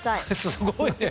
すごいね。